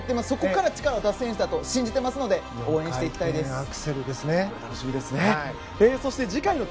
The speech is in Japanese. そこから力を出せると信じてますので応援していきたいです！